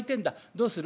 どうする？